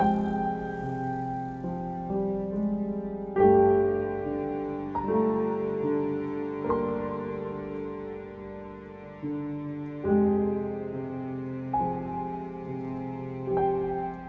alhamdulillah ya allah